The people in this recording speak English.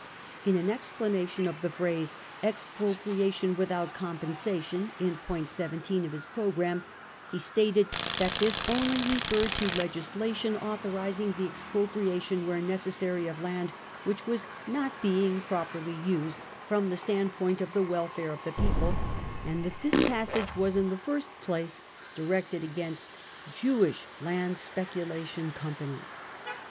In an explanation of the phrase " expropriation without compensation 55 in point 17 of his programme he stated that this only referred to legislation authorising the expropriation, where necessary, of land which was hot being properly used from the standpoint of the welfare of the people ; and that this passage was in the first place directed against Jewish land speculation companies.